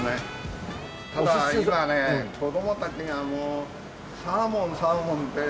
ただ今ね子供たちがもうサーモンサーモンって。